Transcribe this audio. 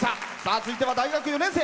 続いては大学４年生。